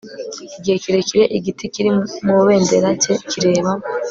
Igihe kirekire igiti kiri mu bendera cye kireba